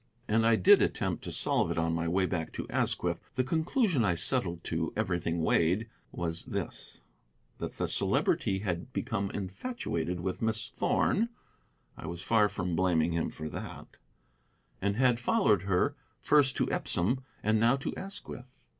And I did attempt to solve it on my way back to Asquith. The conclusion I settled to, everything weighed, was this: that the Celebrity had become infatuated with Miss Thorn (I was far from blaming him for that) and had followed her first to Epsom and now to Asquith.